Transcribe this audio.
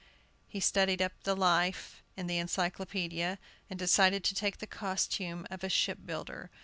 He studied up the life in the Encyclopædia, and decided to take the costume of a ship builder.